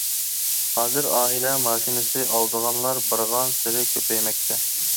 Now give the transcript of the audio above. ھازىر ئائىلە ماشىنىسى ئالىدىغانلار بارغانسېرى كۆپەيمەكتە.